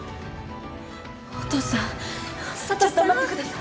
お父さんちょっと待ってください。